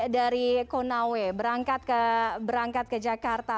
dari konawe berangkat ke jakarta